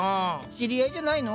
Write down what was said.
知り合いじゃないの？